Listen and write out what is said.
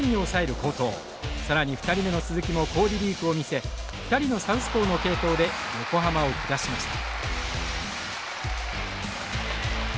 更に２人目の鈴木も好リリーフを見せ２人のサウスポーの継投で横浜を下しました。